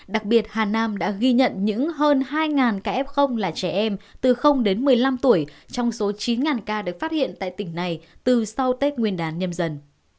đặc biệt hà nam đã ghi nhận những hơn hai ca f là trẻ em từ đến một mươi năm tuổi trong số chín ca được phát hiện tại tỉnh này từ sau tết nguyên đán nhâm dần